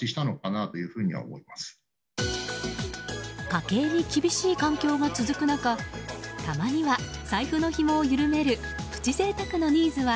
家計に厳しい環境が続く中たまには財布のひもを緩めるプチ贅沢のニーズは